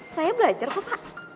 saya belajar kok pak